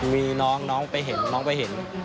มีน้องน้องไปเห็นน้องไปเห็น